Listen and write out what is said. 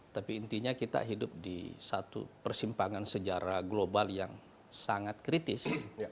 tapi intinya kita hidup di satu persimpangan sejarah global yang sangat kritis